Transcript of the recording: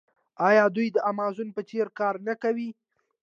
آیا دوی د امازون په څیر کار نه کوي؟